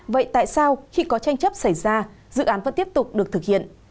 vậy tại sao khi có tranh chấp xảy ra dự án vẫn tiếp tục được thực hiện